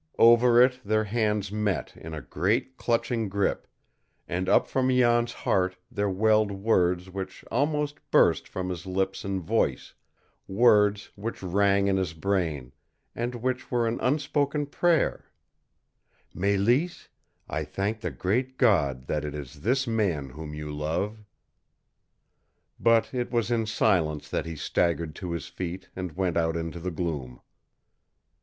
Over it their hands met in a great, clutching grip, and up from Jan's heart there welled words which almost burst from his lips in voice, words which rang in his brain, and which were an unspoken prayer "Mélisse, I thank the great God that it is this man whom you love!" But it was in silence that he staggered to his feet and went out into the gloom.